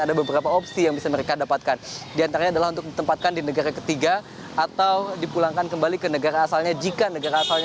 ada juga seorang istri dari seorang pencari suaka yang menyeberang jalan